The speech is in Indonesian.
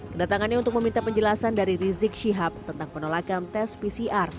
kedatangannya untuk meminta penjelasan dari rizik syihab tentang penolakan tes pcr